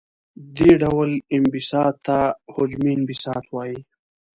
دې ډول انبساط ته حجمي انبساط وايي.